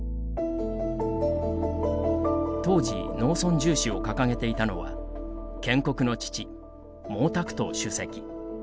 当時、農村重視を掲げていたのは建国の父・毛沢東主席。